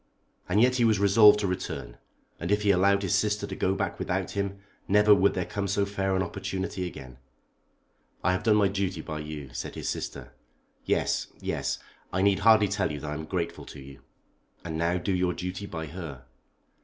And yet he was resolved to return, and if he allowed his sister to go back without him never would there come so fair an opportunity again. "I have done my duty by you," said his sister. "Yes, yes. I need hardly tell you that I am grateful to you." "And now do your duty by her."